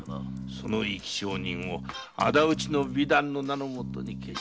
その生き証人を仇討ちの美談の名の下に消しさる。